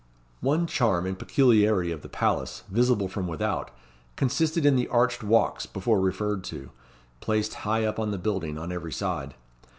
One charm and peculiarity of the palace, visible from without, consisted in the arched walks before referred to, placed high up on the building, on every side.